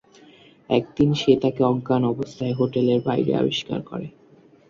একদিন সে তাকে অজ্ঞান অবস্থায় হোটেলের বাইরে আবিষ্কার করে।